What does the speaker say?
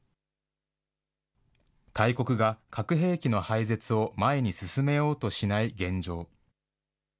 大国が核兵器の廃絶を前に進めようとしない現状。